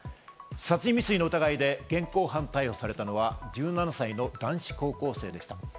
殺人未遂の疑いで現行犯逮捕されたのは１７歳の男子高校生でした。